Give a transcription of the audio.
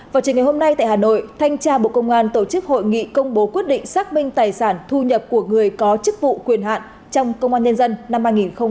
vào chiều ngày hôm nay tại hà nội thanh tra bộ công an tổ chức hội nghị công bố quyết định xác minh tài sản thu nhập của người có chức vụ quyền hạn trong công an nhân dân năm hai nghìn hai mươi ba